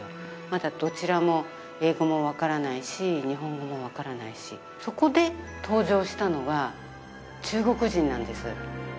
まだどちらも英語も分からないし日本語も分からないしそこで登場したのが中国人なんです